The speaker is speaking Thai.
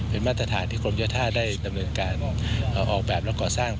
เป็นมาตรฐานที่กรมเจ้าท่าได้ดำเนินการออกแบบและก่อสร้าง